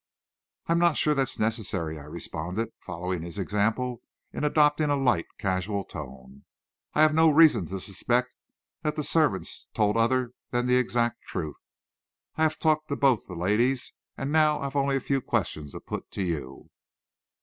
"I'm not sure that's necessary," I responded, following his example in adopting a light, casual tone. "I have no reason to suspect that the servants told other than the exact truth. I have talked to both the ladies, and now I've only a few questions to put to you."